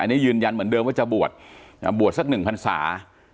อันนี้ยืนยันเหมือนเดิมว่าจะบวชบวชสักหนึ่งพันศา